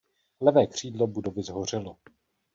Levé křídlo budovy shořelo.